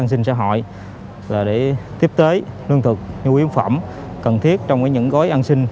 xin sở hội là để tiếp tế nương thực nhu yếu phẩm cần thiết trong những gói ăn xin